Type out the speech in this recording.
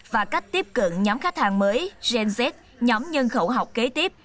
và cách tiếp cận nhóm khách hàng mới nhóm nhân khẩu học kế tiếp